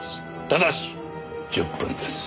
ただし１０分です。